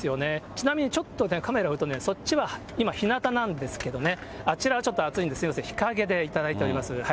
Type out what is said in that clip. ちなみにちょっと、カメラを寄ると、そっちは今、ひなたなんですけどね、あちらはちょっと暑いんで、日陰で頂いております。